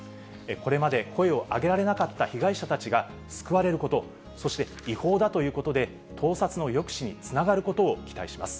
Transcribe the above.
これまで声を上げられなかった被害者たちが救われること、そして違法だということで盗撮の抑止につながることを期待します。